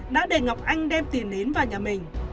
đã để ngọc anh đem tiền đến vào nhà mình